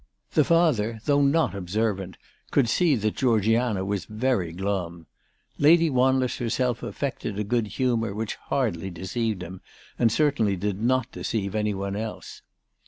The father, though not observant, could see that Georgiana was very glum. Lady Wanless herself affected a good humour which hardly deceived him, and certainly did not deceive anyone else.